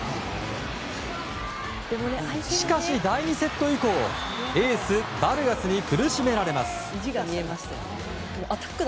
しかし第２セット以降、エースバルガスに苦しめられます。